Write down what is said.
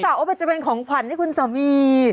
เขาตอบว่าจะเป็นของขวัญให้คุณสามี